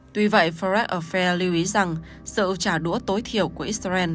tuy vậy forrest affair lưu ý rằng sự trả đũa tối thiểu của israel